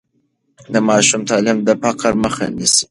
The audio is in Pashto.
د ماشوم تعلیم د فقر مخه نیسي.